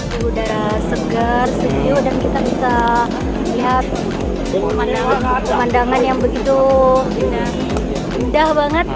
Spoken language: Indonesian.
segar seju dan kita bisa lihat pemandangan yang begitu indah banget